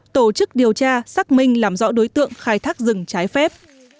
tổ chức điều tra xác minh làm rõ đối tượng khai thác rừng trái phép